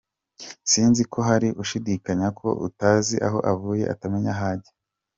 Sinzi ko hari ushidikanya ko utazi aho avuye atanamenya aho ajya.